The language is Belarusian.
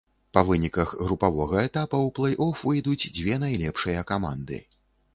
Па выніках групавога этапа ў плэй-оф выйдуць дзве найлепшыя каманды.